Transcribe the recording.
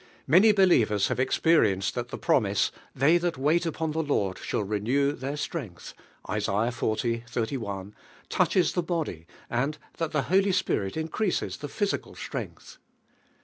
Many believers have expeiienced that the promise: "They that wait upon the Lord shall renew their strength" (Isa. xl. SI), tenches the body, and that the Holy Spirit increases the physical strength.